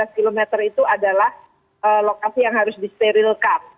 lima belas km itu adalah lokasi yang harus disterilkan